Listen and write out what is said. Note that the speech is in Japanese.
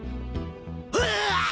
うわ！